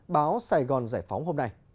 báo sài gòn giải phóng hôm nay